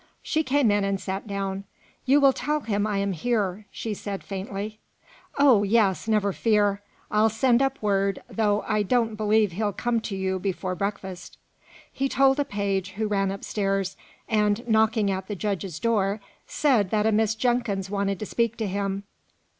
She came in and sat down. "You will tell him I am here," she said faintly. "Oh, yes, never fear: I'll send up word, though I don't believe he'll come to you before breakfast." He told a page, who ran upstairs, and, knocking at the judge's door, said that a Miss Jenkins wanted to speak to him.